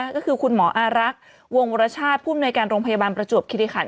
ก็คือคุณหมออารักษ์วงวรชาติผู้มนวยการโรงพยาบาลประจวบคิริขัน